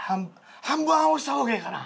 半分青にした方がええかな？